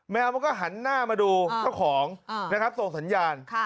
แมวมันก็หันหน้ามาดูเจ้าของนะครับส่งสัญญาณ